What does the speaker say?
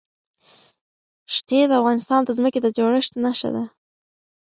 ښتې د افغانستان د ځمکې د جوړښت نښه ده.